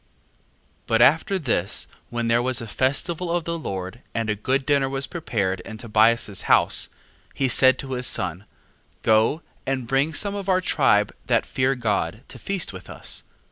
2:1. But after this, when there was a festival of the Lord, and a good dinner was prepared in Tobias's house, 2:2. He said to his son: Go, and bring some of our tribe that fear God, to feast with us.